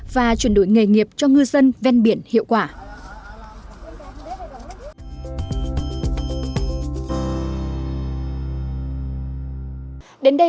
và chuyển đổi nghề nghiệp cho ngư dân ven biển hiệu quả